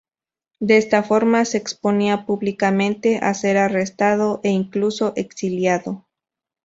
De esta forma se exponía públicamente a ser arrestado e incluso exiliado.